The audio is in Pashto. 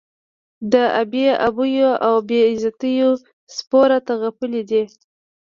د بې آبیو او بې عزتیو سپو راته غپلي دي.